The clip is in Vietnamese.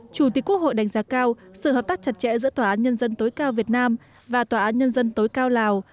chủ tịch quốc hội đánh giá cao sự hợp tác chặt chẽ giữa tòa án nhân dân tối cao việt nam và tòa án nhân dân tối cao lào